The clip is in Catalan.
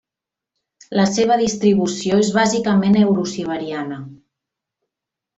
La seva distribució és bàsicament eurosiberiana.